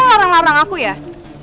kamu yang dekat